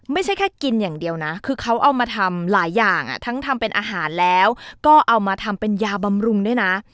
ไม่ใช่แค่กินอย่างเดียวนะคือเขาเอามาทำหลายอย่างทั้งทำเป็นอาหารแล้วก็เอามาทำเป็นยาบำรุงด้วยนะ